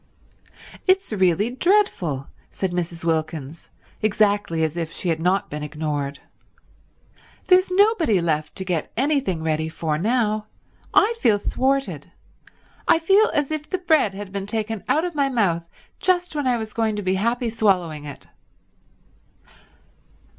"It's really dreadful," said Mrs. Wilkins, exactly as if she had not been ignored. "There's nobody left to get anything ready for now. I feel thwarted. I feel as if the bread had been taken out of my mouth just when I was going to be happy swallowing it."